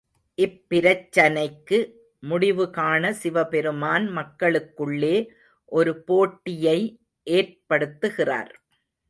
இப்பிரச்சனைக்கு முடிவுகாண சிவபெருமான் மக்களுக்குள்ளே ஒரு போட்டியை ஏற்படுத்துகிறார்.